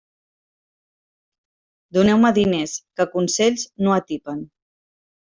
Doneu-me diners, que consells no atipen.